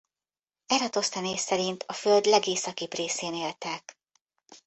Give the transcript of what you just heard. Eratoszthenész szerint a Föld legészakibb részén éltek.